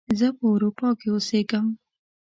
زه په اروپا کې اوسیږم